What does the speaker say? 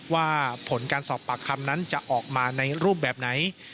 ว่าผลการสอบปากคำนั้นจะออกมาในรูปแบบไหน